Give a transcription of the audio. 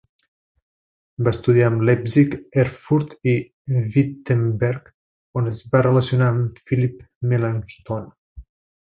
Va estudiar a Leipzig, Erfurt i Wittenberg, on es va relacionar amb Philipp Melanchthon.